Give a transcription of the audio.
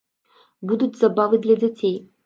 Будуць забавы для дзяцей.